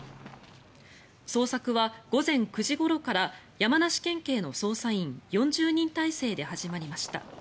捜索は午前９時ごろから山梨県警の捜査員４０人態勢で始まりました。